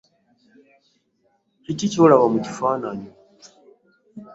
Kiki ky’olaba mu kifaananyi?